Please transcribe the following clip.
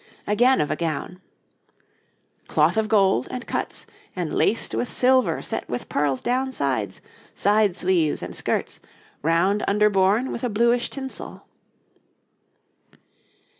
Again of a gown: 'Cloth of gold, and cuts, and laced with silver set with pearls down sides, side sleeves, and skirts, round under borne with a bluish tinsel.'